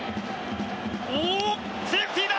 セーフティーだ！